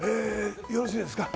よろしいですか。